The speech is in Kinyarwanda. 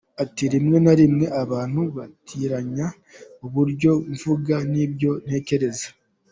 Ati "Rimwe na rimwe abantu bitiranya uburyo mvuga n’ibyo ntekereza.